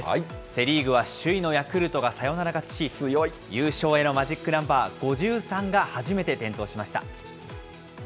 セ・リーグは首位のヤクルトがサヨナラ勝ちし、優勝へのマジックナンバー５３が初めて点灯しました。